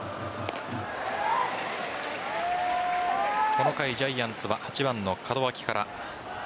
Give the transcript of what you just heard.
この回ジャイアンツは８番の門脇から。